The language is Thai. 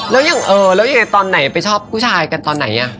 แล้วยังไงตอนไหนไปชอบผู้ชายกันตอนไหนอ่ะ